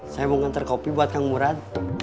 saya mau ngantar kopi buat kang murad